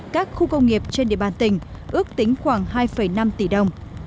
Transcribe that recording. các khu công nghiệp trên địa bàn tỉnh ước tính khoảng hai năm tỷ đồng